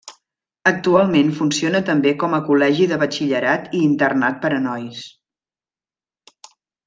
Actualment funciona també com a col·legi de batxillerat i internat per a nois.